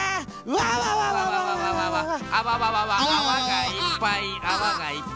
わわわわわあわわわわあわがいっぱいあわがいっぱい。